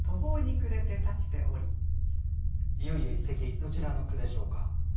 いよいよ一席どちらの句でしょうか？